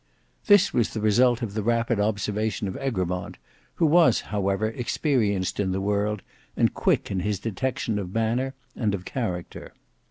This was the result of the rapid observation of Egremont, who was however experienced in the world and quick in his detection of manner and of character.